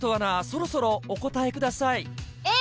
そろそろお答えください